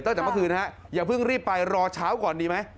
ตั้งแต่เมื่อคืนนะฮะอย่าเพิ่งรีบไปรอเช้าก่อนดีไหม